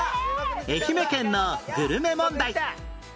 愛媛県のグルメ問題